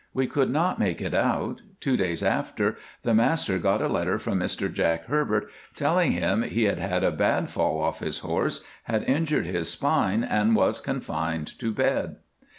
We could not make it out. Two days after, the master got a letter from Mr Jack Herbert telling him he had had a bad fall off his horse, had injured his spine, and was confined to bed.